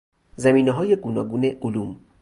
زمینه های گوناگون علوم